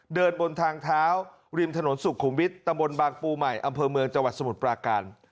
เดินบนทางเท้าริมถนนสุขุมวิทย์ตะบนบางปูใหม่อำเภอเมืองจังหวัดสมุทรปราการ